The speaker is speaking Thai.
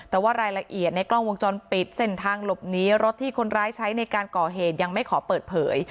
แต่ว่ารายละเอียดในกล้องวงจรปิดเส้นทางหลบหนีรถที่คนร้ายใช้ในการก่อเหตุยังไม่ขอเปิดเผย